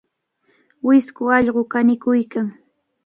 Wisku allqu kanikuykan.